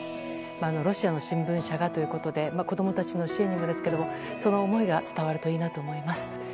ロシアの新聞社がということで子供たちの支援ですがその思いが伝わるといいなと思います。